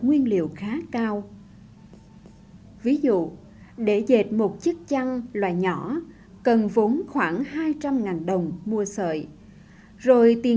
nguyên liệu khá cao ví dụ để dệt một chiếc chăn loài nhỏ cần vốn khoảng hai trăm linh đồng mua sợi rồi tiền